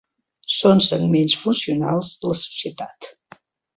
Són segments funcionals de la societat.